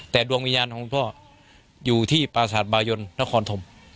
แต่ดวงวิญญาณของคุณพ่ออยู่ที่ปราศาสตร์บายนนครธม